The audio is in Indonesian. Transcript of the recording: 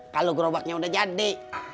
kalau gerobaknya udah jadi